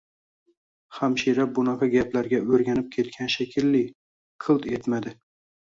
Hamshira bunaqa gaplarga o`rganib ketgan shekilli, qilt etmadi